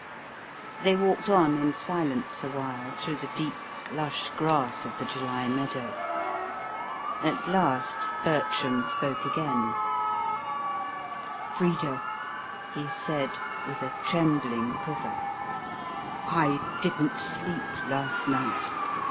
They walked on in silence a while through the deep, lush grass of the July meadow. At last Bertram spoke again: "Frida," he said, with a trembling quiver, "I didn't sleep last night.